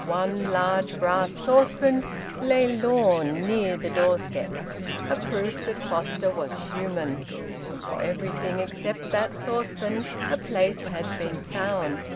One large brass saucepan lay lorn near the doorstep, a proof that Foster was human. For everything except that saucepan a place had been found.